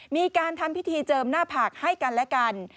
มีการทำพิธีเจิมหน้าผากให้กันและกัน